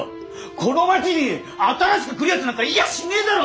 この町に新しく来るやつなんかいやしねえだろ！